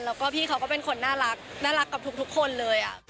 แล้วก็พี่เขาก็เป็นคนน่ารักน่ารักกับทุกคนเลย